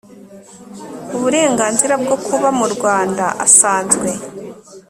uburenganzira bwo kuba mu Rwanda asanzwe